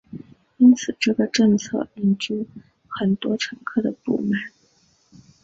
因此这个政策引致很多乘客的不满。